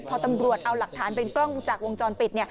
พอตำรวจเอาหลักฐานเป็นกล้องจากวงจรปิด